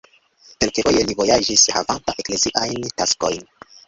Kelkfoje li vojaĝis havanta ekleziajn taskojn.